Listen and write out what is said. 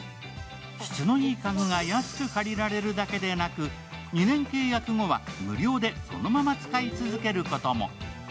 質のいい家具が安く借りられるだけでなく２年契約後は無料でそのまま使い続けることも。